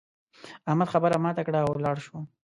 احمد خبره ماته کړه او ولاړ شو.